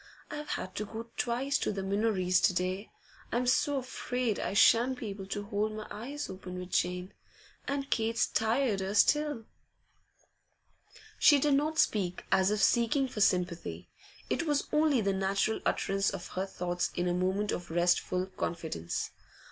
'I've had to go twice to the Minories to day. I'm so afraid I shan't be able to hold my eyes open with Jane, and Kate's tireder still.' She did not speak as if seeking for sympathy it was only the natural utterance of her thoughts in a moment of restful confidence.